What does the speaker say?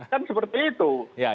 kan seperti itu